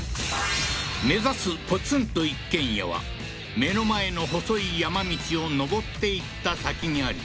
目指すポツンと一軒家は目の前の細い山道を上っていった先にあり